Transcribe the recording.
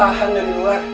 tahan dari luar